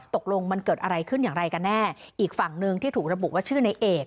ตกลงมันเกิดอะไรขึ้นอย่างไรกันแน่อีกฝั่งหนึ่งที่ถูกระบุว่าชื่อในเอก